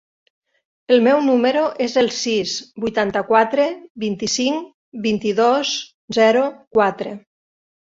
El meu número es el sis, vuitanta-quatre, vint-i-cinc, vint-i-dos, zero, quatre.